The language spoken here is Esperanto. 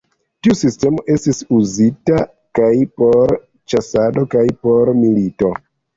Tiu sistemo estis uzita kaj por ĉasado kaj por milito.